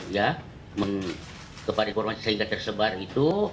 ya kepada korban sehingga tersebar itu